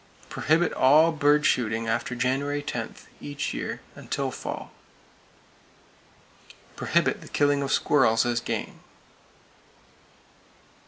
Prohibit all bird shooting after January 10, each year, until fall. Prohibit the killing of squirrels as "game."